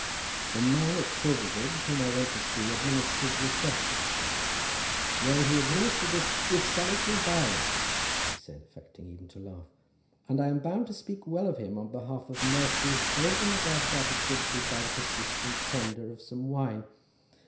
"The man at Silverbridge, whom I went to see administered refreshment to me; nay, he administered it with salutary violence," he said, affecting even to laugh. "And I am bound to speak well of him on behalf of mercies over and beyond that exhibited by the persistent tender of some wine.